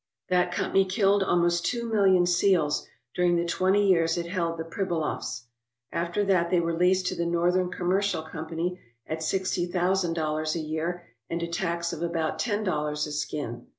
That company killed almost two million seals during the twenty years it held the Pribilofs. After that they were leased to the Northern Commercial Company at sixty thousand dollars a year and a tax of about ten dollars a skin.